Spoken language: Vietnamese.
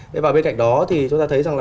thế và bên cạnh đó thì chúng ta thấy rằng là